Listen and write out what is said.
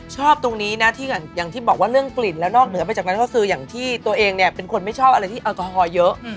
ชอบตรงนี้นะที่อย่างที่บอกว่าเรื่องกลิ่นแล้วนอกเหนือไปจากนั้นก็คืออย่างที่ตัวเองเนี่ยเป็นคนไม่ชอบอะไรที่แอลกอฮอล์เยอะ